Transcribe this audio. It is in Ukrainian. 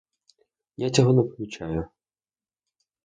Я цього не помічаю.